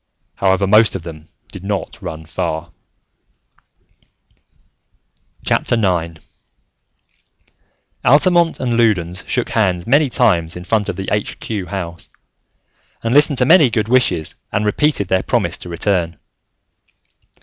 However, most of them did not run far. IX Altamont and Loudons shook hands many times in front of the Aitch Cue House, and listened to many good wishes, and repeated their promise to return.